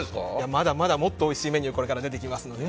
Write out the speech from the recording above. まだまだもっとおいしいメニューがこれから出てきますので。